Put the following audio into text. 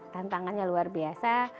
tantangannya luar biasa